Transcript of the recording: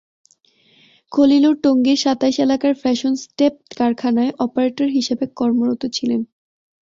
খলিলুর টঙ্গীর সাতাইশ এলাকার ফ্যাশন স্টেপ কারখানায় অপারেটর হিসেবে কর্মরত ছিলেন।